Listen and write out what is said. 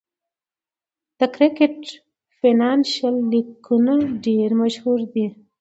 د کرکټ فینانشل لیګونه ډېر مشهور دي.